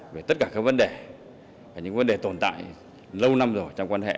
về tất cả các vấn đề những vấn đề tồn tại lâu năm rồi trong quan hệ